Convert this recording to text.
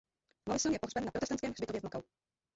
Morrison je pohřben na protestantském hřbitově v Macau.